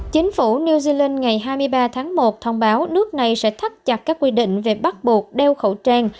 chính phủ new zealand ngày hai mươi ba tháng một thông báo nước này sẽ thắt chặt các quy định về bắt buộc đeo khẩu trang